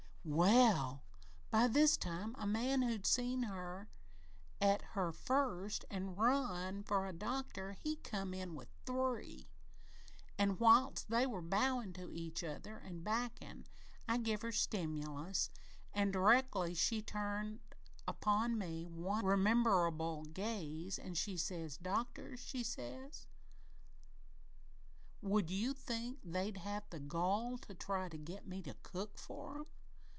"Well, by this time, a man who had seen her at her first worst an' run for a doctor, he come in with three, an' whilst they were bowin' to each other an' backin', I giv' 'er stimulus an' d'rectly she turned upon me one rememberable gaze, an' she says, 'Doctors,' says she, 'would you think they'd have the gall to try to get me to cook for 'em?